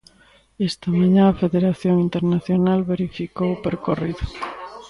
Esta mañá a Federación Internacional verificou o percorrido.